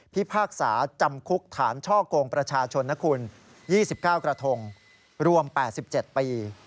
พากษาจำคุกฐานช่อกงประชาชนนะคุณ๒๙กระทงรวม๘๗ปี